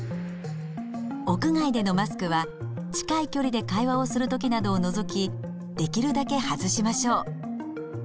屋外でのマスクは近い距離で会話をする時などを除きできるだけ外しましょう。